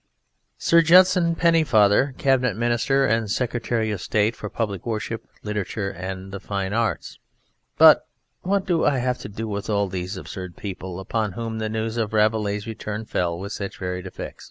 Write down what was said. Sir Judson Pennefather, Cabinet Minister and Secretary of State for Public Worship, Literature and the Fine Arts But what have I to do with all these; absurd people upon whom the news of Rabelais' return fell with such varied effect?